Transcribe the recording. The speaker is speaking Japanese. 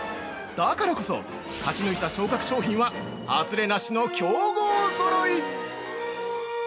だからこそ勝ち抜いた昇格商品は外れなしの強豪ぞろい！